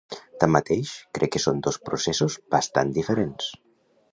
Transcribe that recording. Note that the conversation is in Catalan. Tanmateix, crec que són dos processos bastant diferents.